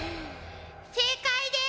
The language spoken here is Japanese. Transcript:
正解です！